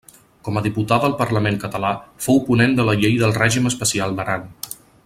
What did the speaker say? Com a diputada al Parlament català fou ponent de la llei del règim especial d'Aran.